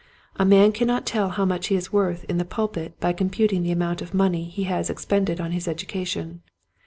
A man can not tell how much he is worth in the pul pit by computing the amount of money he has expended on his education.